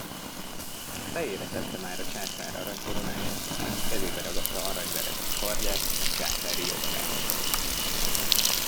Fejére tette már a császár aranykoronáját, kezébe ragadta aranyveretes kardját meg császári jogarát.